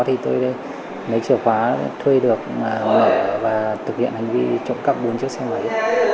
tôi đã lấy chợ khóa thuê được mở và thực hiện hành vi trộm cắp bốn chiếc xe máy